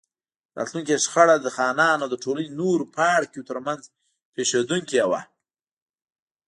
راتلونکې شخړه د خانانو او د ټولنې نورو پاړکیو ترمنځ پېښېدونکې وه.